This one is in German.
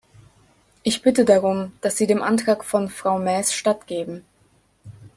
Ich bitte darum, dass Sie dem Antrag von Frau Maes stattgeben.